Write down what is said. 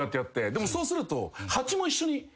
でもそうすると。